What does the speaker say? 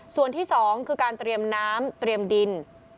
ส่วนที่๒คือการเตรียมน้ำเตรียมดิน